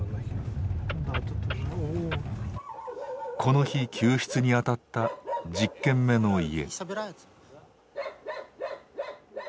この日救出にあたった１０軒目の家。